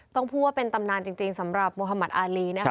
ต้องพูดว่าเป็นตำนานจริงสำหรับโมฮามัติอารีนะคะ